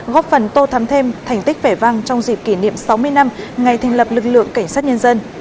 góp phần tô thắm thêm thành tích vẻ vang trong dịp kỷ niệm sáu mươi năm ngày thành lập lực lượng cảnh sát nhân dân